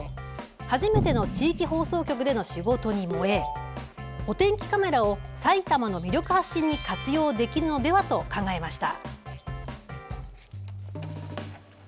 初めての地域放送局での仕事に燃えお天気カメラを埼玉の魅力発信に活用できるのではと考えました。